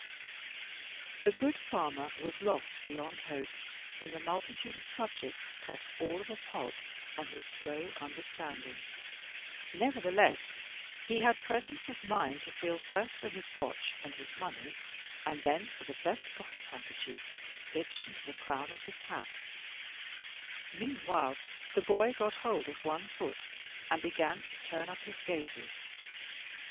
The good farmer was lost beyond hope, in the multitude of subjects pressed all of a pulp on his slow understanding; nevertheless, he had presence of mind to feel first for his watch and his money, and then for the best pocket handkerchief stitched into the crown of his hat; meanwhile the boy got hold of one foot, and began to turn up his gaiters.